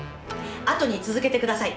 後に続けてください。